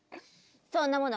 そんなもの